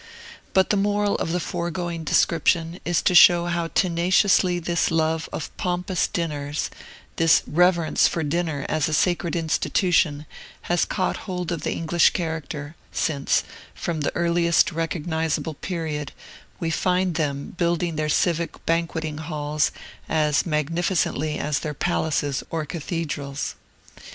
But the moral of the foregoing description is to show how tenaciously this love of pompous dinners, this reverence for dinner as a sacred institution, has caught hold of the English character; since, from the earliest recognizable period, we find them building their civic banqueting halls as magnificently as their palaces or cathedrals.